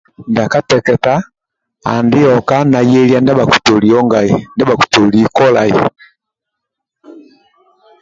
Ndia kateketa andi oka na yelia ndia bhakutoli ongai ndia bhakutoli kolai